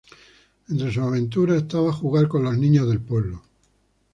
Entre sus aventuras estaba jugar con los niños del pueblo.